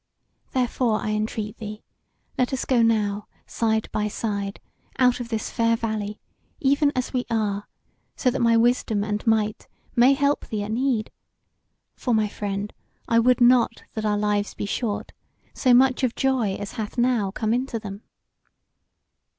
Therefore I entreat thee, let us go now, side by side, out of this fair valley, even as we are, so that my wisdom and might may help thee at need. For, my friend, I would not that our lives be short, so much of joy as hath now come into them."